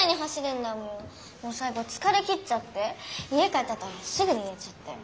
もうさい後つかれ切っちゃって家帰ったあとすぐにねちゃったよ。